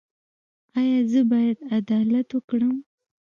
ایا زه باید عدالت وکړم؟